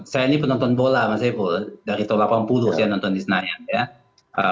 saya ini penonton bola mas saiful dari tahun delapan puluh saya nonton di senayan ya